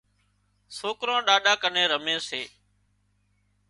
سوڪران ڏاڏا ڪنين رمي سي